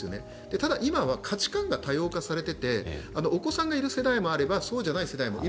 ただ今は価値観が多様化されていてお子さんがいる世代もあればそうじゃない世代もあると。